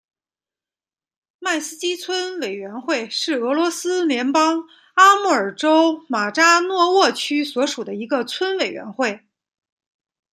迈斯基村委员会是俄罗斯联邦阿穆尔州马扎诺沃区所属的一个村委员会。